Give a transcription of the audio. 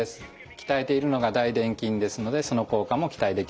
鍛えているのが大でん筋ですのでその効果も期待できると思います。